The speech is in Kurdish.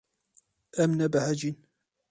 Em nebehecîn.